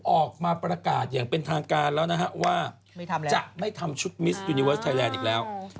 โอ้จริงสิวะหนูแหละ